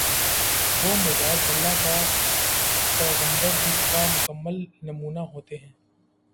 وہ مزاج‘ اللہ کے پیغمبر جس کا کامل نمونہ ہوتے ہیں۔